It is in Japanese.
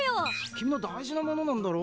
君の大事なものなんだろ？